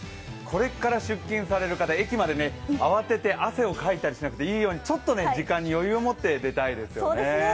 これから出勤される方、駅まで慌てて汗をかいたりしなくていいようにちょっと時間に余裕を持って出たいですよね。